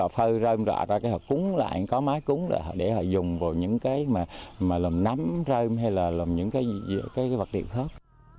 họ phơ rơm rạ ra họ cúng lại có máy cúng lại để họ dùng vào những cái mà làm nắm rơm hay là làm những cái vật điệu khác